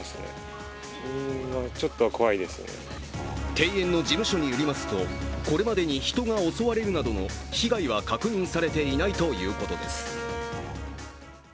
庭園の事務所によりますと、これまでに人が襲われるなどの被害は確認されていないということです。